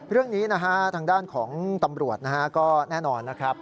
เรื่องนี้นะฮะทางด้านของตำรวจนะฮะก็แน่นอนนะครับ